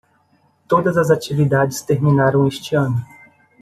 Todas as atividades terminaram este ano.